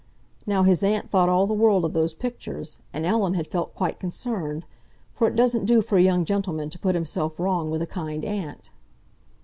Now, his aunt thought all the world of those pictures, and Ellen had felt quite concerned, for it doesn't do for a young gentleman to put himself wrong with a kind aunt.